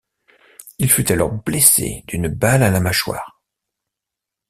Il fut alors blessé d'une balle à la mâchoire.